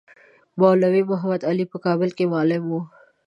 مولوی محمدعلي په کابل کې معلم وو.